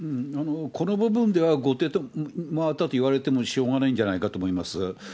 この部分では後手に回ったといわれてもしょうがないんじゃないかと思います。